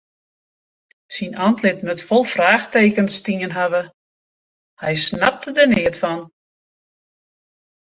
Syn antlit moat fol fraachtekens stien hawwe, hy snapte der neat fan.